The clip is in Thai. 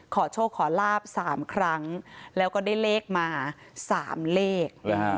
ขอโชคขอลาบ๓ครั้งแล้วก็ได้เลขมา๓เลข